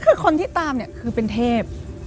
คือคนที่ตามเนี่ยคือเป็นเทพ